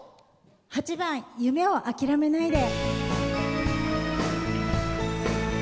８番「夢をあきらめないで」。